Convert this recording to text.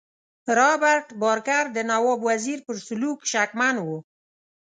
رابرټ بارکر د نواب وزیر پر سلوک شکمن وو.